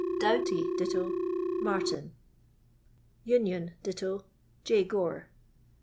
Doughty ditto Martin. Union ditto J. Gore.